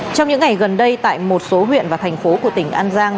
trong những ngày gần đây tại một số huyện và thành phố của tỉnh an giang